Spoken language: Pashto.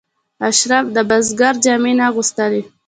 اشراف د بزګر جامې نه اغوستلې.